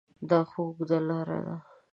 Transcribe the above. دا خو اوږده لاره ده ؟